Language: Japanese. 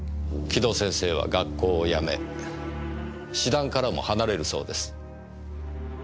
城戸先生は学校を辞め詩壇からも離れるそうです。